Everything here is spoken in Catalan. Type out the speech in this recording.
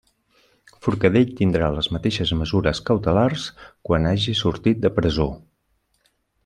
Forcadell tindrà les mateixes mesures cautelars quan hagi sortit de presó.